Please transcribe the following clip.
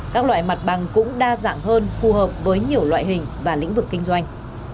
các loại mặt bằng cũng đa dạng hơn phù hợp với nhiều loại hình và lĩnh vực kinh doanh